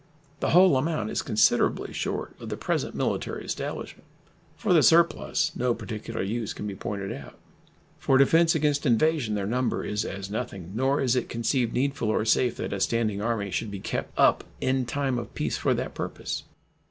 The whole amount is considerably short of the present military establishment. For the surplus no particular use can be pointed out. For defense against invasion their number is as nothing, nor is it conceived needful or safe that a standing army should be kept up in time of peace for that purpose.